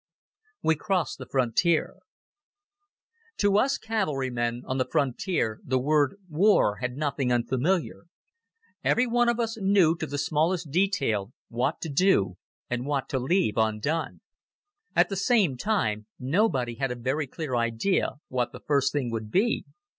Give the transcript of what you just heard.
We Cross the Frontier TO us cavalry men on the frontier the word "war" had nothing unfamiliar. Everyone of us knew to the smallest detail what to do and what to leave undone. At the same time, nobody had a very clear idea, what the first thing would be.